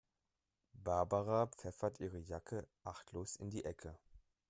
Barbara pfeffert ihre Jacke achtlos in die Ecke.